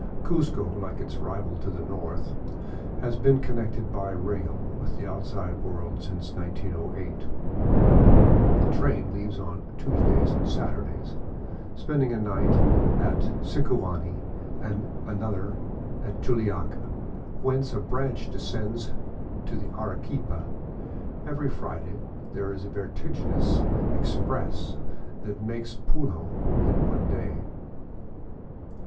Cuzco, like its rival to the north, has been connected by rail with the outside world since 1908. The train leaves on Tuesdays and Satur days, spending a night at Sicuani and another at Juliaca, whence a branch descends to Arequipa. Every Friday there is a vertiginous " express '^ that makes Puno in one day.